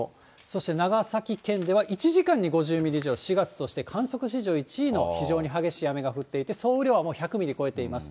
そして、長崎県では１時間に５０ミリ以上、４月として観測史上１位の非常に激しい雨が降っていて、総雨量はもう１００ミリ超えています。